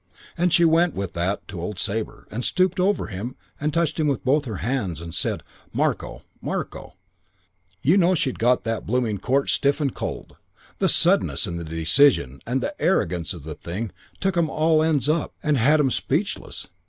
And she went with that to old Sabre and stooped over him and touched him with both her hands and said, 'Marko, Marko.' "You know she'd got that blooming court stiff and cold. The suddenness and the decision and the the arrogance of the thing took 'em all ends up and had 'em speechless.